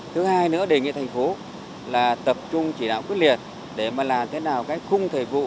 thứ hai nữa đề nghị thành phố là tập trung chỉ đạo quyết liệt để mà làm thế nào cái khung thời vụ